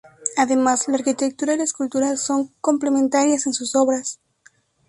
Además, la arquitectura y la escultura son complementarias en sus obras.